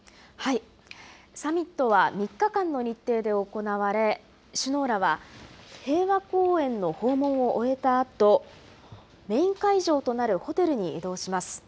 サミットは３日間の日程で行われ、首脳らは平和公園の訪問を終えたあと、メイン会場となるホテルに移動します。